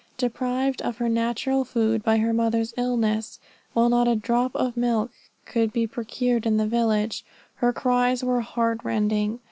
Deprived of her natural food by her mother's illness, while not a drop of milk could be procured in the village, her cries were heart rending.